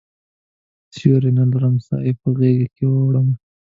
سیوری نه لرم سایې په غیږکې وړمه